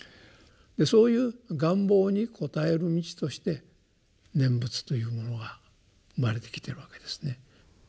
そういう願望に答える道として「念仏」というものが生まれてきているわけですね。